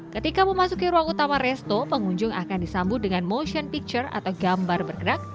ketika memasuki ruang utama resto pengunjung akan disambut dengan motion picture atau gambar bergerak